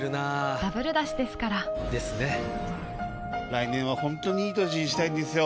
来年は本当にいい年にしたいんですよ。